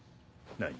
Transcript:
何？